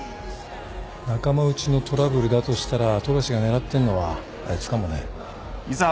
仲間内のトラブルだとしたら富樫が狙ってんのはあいつかもね。